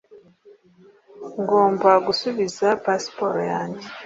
Ngomba gusubiza pasiporo yanjye